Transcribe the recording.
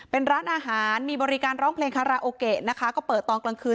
เป็นร้านอาหารมีบริการร้องเพลงคาราโอเกะนะคะก็เปิดตอนกลางคืน